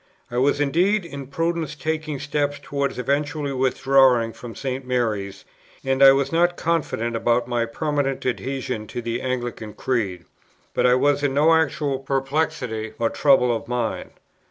I was indeed in prudence taking steps towards eventually withdrawing from St. Mary's, and I was not confident about my permanent adhesion to the Anglican creed; but I was in no actual perplexity or trouble of mind.